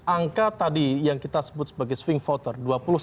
angka tadi yang kita sebut sebagai swing voter